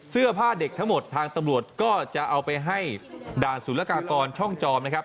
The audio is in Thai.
เสื้อผ้าเด็กทั้งหมดทางตำรวจก็จะเอาไปให้ด่านสุรกากรช่องจอมนะครับ